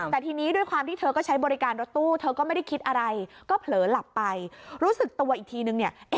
แต่ทีนี้ด้วยความที่เธอก็ใช้บริการรถตู้เธอก็ไม่ได้คิดอะไรก็เผลอหลับไปรู้สึกตัวอีกทีนึงเนี่ย